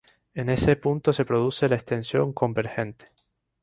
En este punto se produce la extensión convergente.